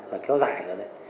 và kéo dài